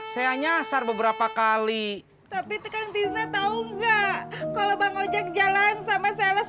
saya nyasar beberapa kali tapi tukang tirna tahu enggak kalau bang ojek jalan sama sales